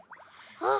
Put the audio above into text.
あっ！